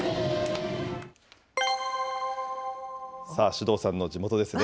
首藤さんの地元ですね。